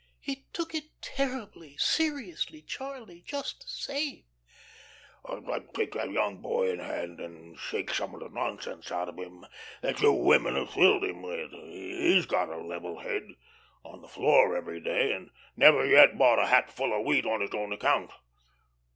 "He took it terribly, seriously, Charlie, just the same." "I'd like to take that young boy in hand and shake some of the nonsense out of him that you women have filled him with. He's got a level head. On the floor every day, and never yet bought a hatful of wheat on his own account.